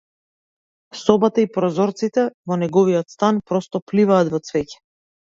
Собата и прозорците во неговиот стан просто пливаат во цвеќе.